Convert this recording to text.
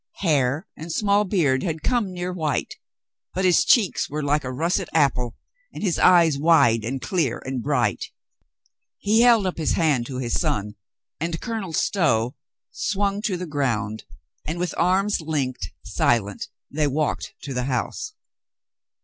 Hair and small beard had come near white, but his cheeks were like a russet apple, and his eyes wide and clear and bright. He held up his hand to his son, and Colonel Stow swung to the ground, and with arms linked, silent, they walked to the house.